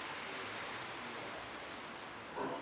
দেখলে তো, কাফিররা সফলকাম হয় না।